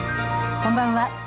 こんばんは。